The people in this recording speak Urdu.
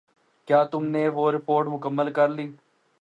کیا تم نے وہ رپورٹ مکمل کر لی؟